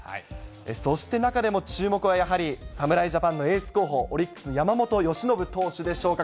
そして中でも、注目はやはり侍ジャパンのエース候補、オリックス、山本由伸投手でしょうか。